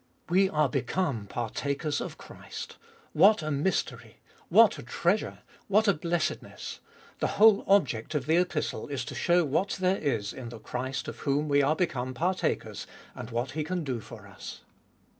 We are become partakers of Christ! What a mystery! What a treasure ! What a blessedness ! The whole object of the Epistle is to show what there is in the Christ of whom we are become partakers, and what He can do for us.